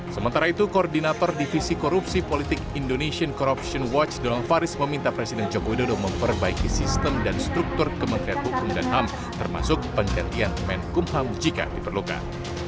sementara itu koordinator divisi korupsi politik indonesian corruption watch donald faris meminta presiden joko widodo memperbaiki sistem dan struktur kementerian hukum dan ham termasuk penggantian menkumham jika diperlukan